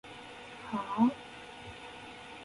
はーーー？